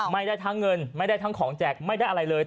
ไม่ได้ทั้งเงินไม่ได้ทั้งของแจกไม่ได้อะไรเลย